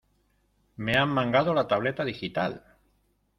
¡Me han mangado la tableta digital!